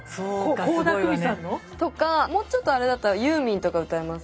倖田來未さんの？とかもうちょっとあれだったらユーミンとか歌います。